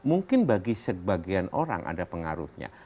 mungkin bagi sebagian orang ada pengaruhnya